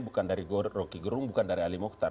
bukan dari rocky gerung bukan dari ali mokhtar